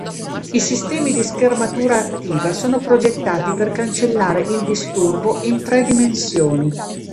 I sistemi di schermatura attiva sono progettati per cancellare il disturbo in tre dimensioni.